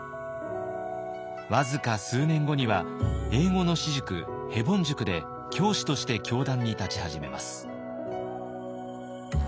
僅か数年後には英語の私塾ヘボン塾で教師として教壇に立ち始めます。